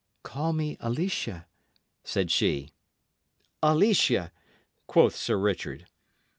"Call me Alicia," said she. "Alicia," quoth Sir Richard.